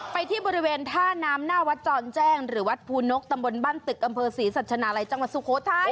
ที่บริเวณท่าน้ำหน้าวัดจอนแจ้งหรือวัดภูนกตำบลบ้านตึกอำเภอศรีสัชนาลัยจังหวัดสุโขทัย